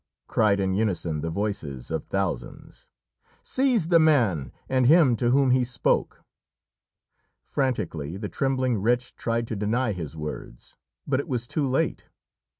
cried in unison the voices of thousands. "Seize the man, and him to whom he spoke!" Frantically the trembling wretch tried to deny his words, but it was too late.